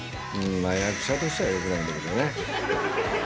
役者としてはよくないんだけどね。